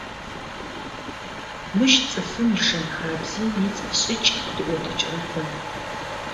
Мыщ цӏыфым ишэн - хабзи, ицӏыф шӏыкӏи къыриӏотыкӏрэр бэ.